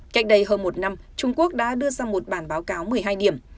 cách đây hơn một năm trung quốc đã đưa ra một bản báo cáo một mươi hai điểm